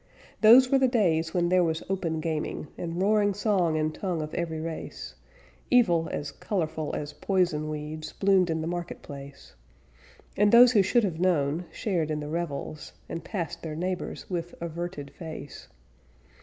Those were the days when there was open gaming, And roaring song in tongue of every race. Evil, as colorful as poison weeds, Bloomed in the market place. And those who should have known, shared in the revels, And passed their neighbors with averted face.